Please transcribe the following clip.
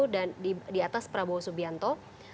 dan di atas prabowo subianto